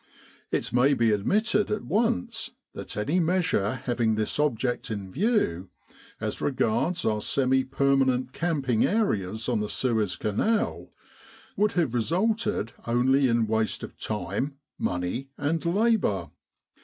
It may be admitted at once that any measure having this object in view, as regards our semi permanent camping areas on the Suez Canal, would have resulted only in waste of time, money and labour.